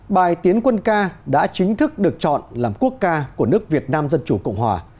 bài tiến quân ca đã chính thức được chọn làm quốc ca của nước việt nam dân chủ cộng hòa